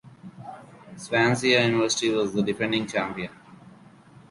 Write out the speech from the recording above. Swansea University were the defending champions.